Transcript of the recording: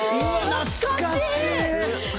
懐かしい。